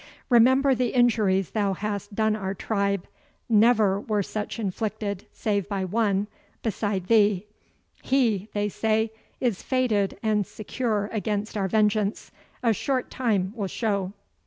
Remember the injuries thou hast done our tribe never were such inflicted, save by one, beside thee. HE, they say, is fated and secure against our vengeance a short time will show."